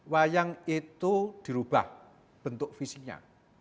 wayang itu dirubah bentuk visinya